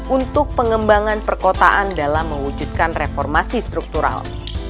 untuk pengembangan perkotaan dalam mewujudkan reformasi struktural